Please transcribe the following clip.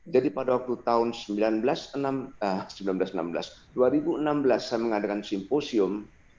pada waktu tahun seribu sembilan ratus enam belas dua ribu enam belas saya mengadakan simposium